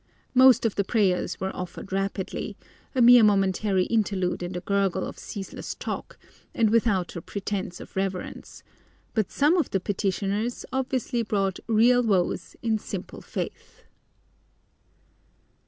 Most of the prayers were offered rapidly, a mere momentary interlude in the gurgle of careless talk, and without a pretence of reverence; but some of the petitioners obviously brought real woes in simple "faith."